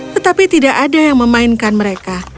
tetapi tidak ada yang memainkan mereka